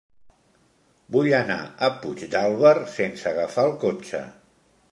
Vull anar a Puigdàlber sense agafar el cotxe.